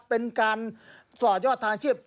เป็นการต่อยอดทางชีพ